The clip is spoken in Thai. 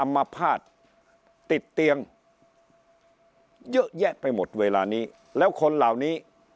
มาภาษณ์ติดเตียงเยอะแยะไปหมดเวลานี้แล้วคนเหล่านี้